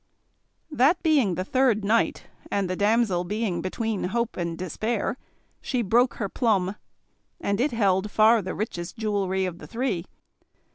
That being the third night and the damsel being between hope and despair, she broke her plum, and it held far the richest jewellery of the three.